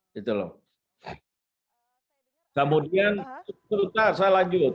kemudian saya lanjut